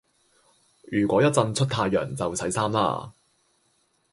如果一陣出太陽就洗衫啦